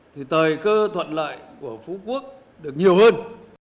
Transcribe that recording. thì thời cơ thuận lợi của phú quốc được nhiều hơn